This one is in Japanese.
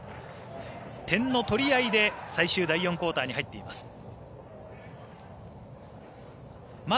点の取り合いで最終第４クオーターに入っています。